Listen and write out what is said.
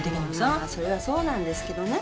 まあそれはそうなんですけどね。